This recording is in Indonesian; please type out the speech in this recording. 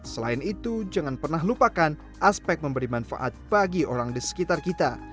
selain itu jangan pernah lupakan aspek memberi manfaat bagi orang di sekitar kita